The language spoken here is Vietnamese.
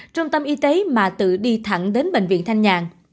trung tâm y tế mà tự đi thẳng đến bệnh viện thanh nhàn